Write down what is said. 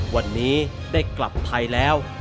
วันนี้ได้กลับไทยแล้ว